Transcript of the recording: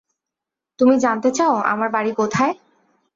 তুমি জানতে চাও, আমার বাড়ি কোথায়?